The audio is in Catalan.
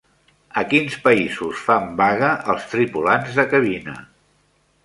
A quins països fan vaga els tripulants de cabina?